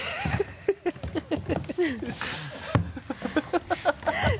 ハハハ